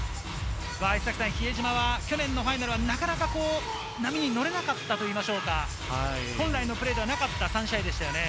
比江島は去年のファイナルはなかなか波に乗れなかったといいましょうか、本来のプレーではなかった３試合でしたよね。